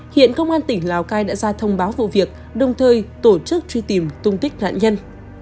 hiện công an tỉnh lào cai đã ra thông báo vụ việc đồng thời tổ chức truy tìm tung tích nạn nhân